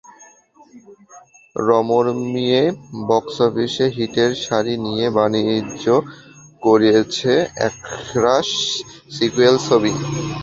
রমরমিয়ে box অফিসে হিটের সারি নিয়ে বাণিজ্য করেছে একরাশ সিক্যুয়েল ছবি।